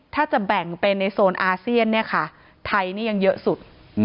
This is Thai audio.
ถ้าจะแบ่งเป็นในโซนอาเซียนเนี่ยค่ะไทยนี่ยังเยอะสุด